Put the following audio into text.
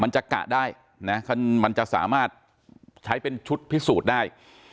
จะกะได้นะมันจะสามารถใช้เป็นชุดพิสูจน์ได้